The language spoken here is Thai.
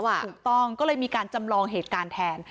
ถูกต้องก็เลยมีการจำลองเหตุการณ์แทน